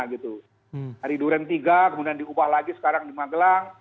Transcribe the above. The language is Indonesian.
dari durian tiga kemudian diubah lagi sekarang di magelang